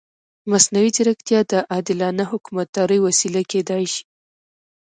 مصنوعي ځیرکتیا د عادلانه حکومتدارۍ وسیله کېدای شي.